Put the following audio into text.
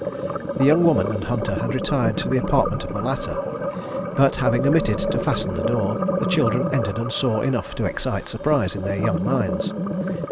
The young woman and Hunter had retired to the apartment of the latter, but, having omitted to fasten the door, the children entered and saw enough to excite surprise in their young minds.